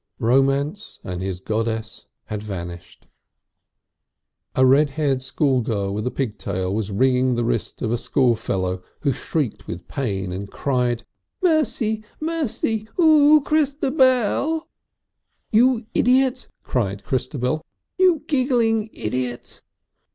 Romance and his goddess had vanished. A red haired girl with a pigtail was wringing the wrist of a schoolfellow who shrieked with pain and cried: "Mercy! mercy! Ooo! Christabel!" "You idiot!" cried Christabel. "You giggling Idiot!"